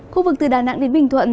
khu vực từ đà nẵng đến bình thuận